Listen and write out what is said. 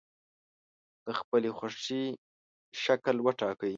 د خپلې خوښې شکل وټاکئ.